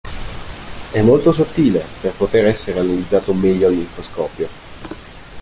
E molto sottile per poter essere analizzato meglio al microscopio.